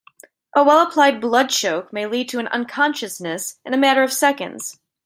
A well applied blood choke may lead to unconsciousness in a matter of seconds.